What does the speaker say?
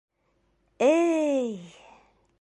Эй-й!..